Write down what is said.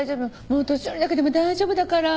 「もう年寄りだけでも大丈夫だから」